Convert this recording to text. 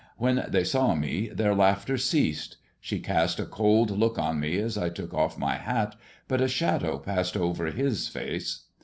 When they saw me their laughter ceased. She cast a cold look on me as I took ofE my hat, but a shadow passed over his face.